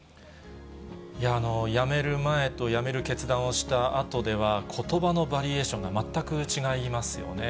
いやぁ、辞める前と辞める決断をしたあとでは、ことばのバリエーションが全く違いますよね。